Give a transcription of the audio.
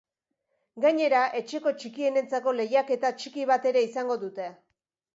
Gainera etxeko txikienentzako lehiaketa txiki bat ere izango dute.